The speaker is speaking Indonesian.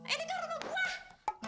ini kan nuduk gua